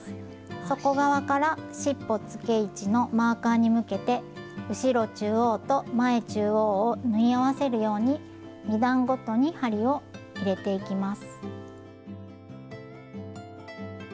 底側からしっぽつけ位置のマーカーに向けて後ろ中央と前中央を縫い合わせるように２段ごとに針を入れていきます。